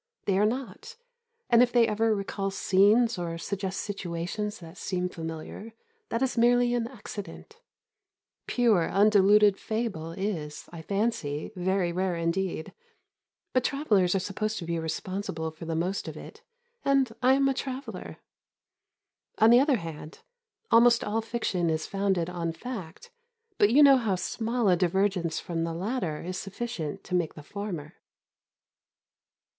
They are not; and if they ever recall scenes, or suggest situations that seem familiar, that is merely an accident. Pure, undiluted fable is, I fancy, very rare indeed; but travellers are supposed to be responsible for the most of it, and I am a traveller. On the other hand, almost all fiction is founded on fact, but you know how small a divergence from the latter is sufficient to make the former.